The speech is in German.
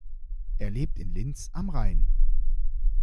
Er lebt in Linz am Rhein.